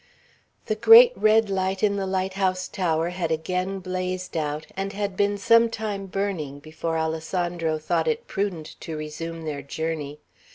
The great red light in the light house tower had again blazed out, and had been some time burning before Alessandro thought it prudent to resume their journey.